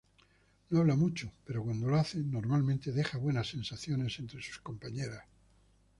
No habla mucho, pero cuando lo hace, normalmente deja buenas sensaciones entre sus compañeras.